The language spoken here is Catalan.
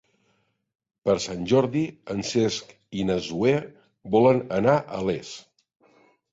Per Sant Jordi en Cesc i na Zoè volen anar a Les.